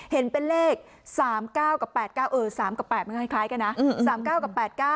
เห็นเป็นเลข๓๙กับ๘๙๓กับ๘มันคล้ายกันนะ๓๙กับ๘๙